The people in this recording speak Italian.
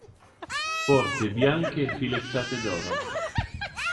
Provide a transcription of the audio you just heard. Porte bianche, filettate d'oro.